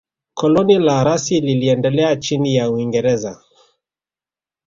Koloni la Rasi liliendelea chini ya Uingereza